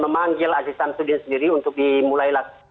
dan memanggil aziz syamsuddin sendiri untuk dimulai dilakukan pemeriksaan